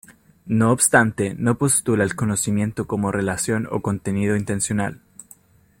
No obstante, no postula el conocimiento como relación o contenido intencional.